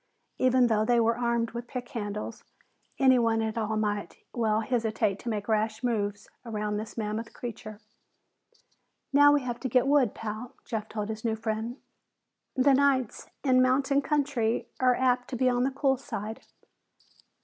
Even though they were armed with pick handles, anyone at all might well hesitate to make rash moves around this mammoth creature. "Now we have to get wood, Pal," Jeff told his new friend. "The nights in mountain country are apt to be on the cool side."